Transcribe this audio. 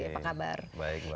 apa kabar baik pak